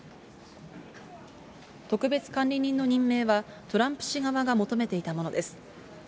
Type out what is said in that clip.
特別管理人の任命は、トランプ氏側が求めていたものです。